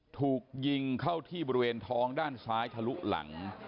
ถูกยิงเข้าที่บริเวณท้องด้านซ้ายทะลุหลัง